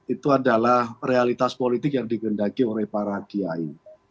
itu adalah realitas politik yang digendaki oleh para kiai